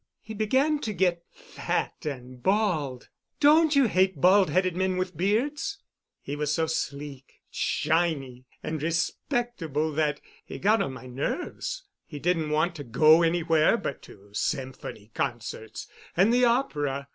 He began to get fat and bald. Don't you hate bald headed men with beards? He was so sleek, shiny, and respectable that he got on my nerves. He didn't want to go anywhere but to symphony concerts and the opera.